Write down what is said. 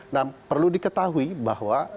nah perlu diketahui bahwa